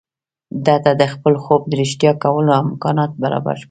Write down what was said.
ده ته د خپل خوب د رښتيا کولو امکانات برابر نه وو.